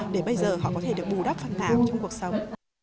để bây giờ họ có thể được bù đắp phần nào trong cuộc sống